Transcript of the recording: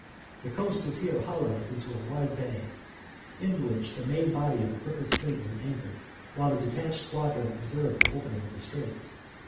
The coast is here hollowed into a wide bay, in which the main body of Agrippa's fleet was anchored, while a detached squadron observed the opening of the straits.